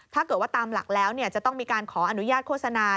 ถ้าเกิดว่าตามหลักแล้วจะต้องมีการขออนุญาตโฆษณา